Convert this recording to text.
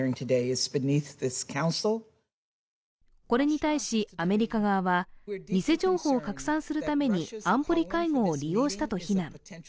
これに対しアメリカ側は、偽情報を拡散するために安保理会合を利用したと非難。